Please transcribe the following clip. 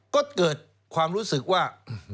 ก็เกิดความรู้สึกว่า